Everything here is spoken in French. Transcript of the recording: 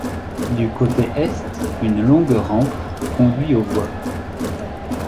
Du côté est, une longue rampe conduit aux voies.